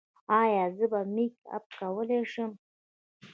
ایا زه میک اپ کولی شم؟